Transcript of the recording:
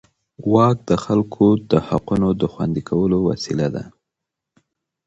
واک د خلکو د حقونو د خوندي کولو وسیله ده.